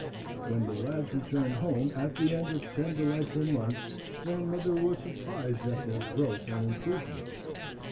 When the lads returned home at the end of ten delightful months, their mother was surprised at their growth and improvement.